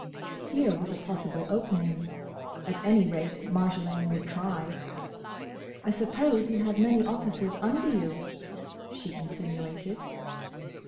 Here was a possible opening. At any rate Marjolaine would try. "I suppose you had many officers under you?" she insinuated.